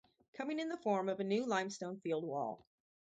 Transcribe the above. Coming in the form of a new limestone field wall.